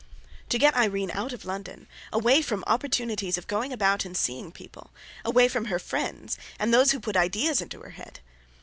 To get Irene out of London, away from opportunities of going about and seeing people, away from her friends and those who put ideas into her head!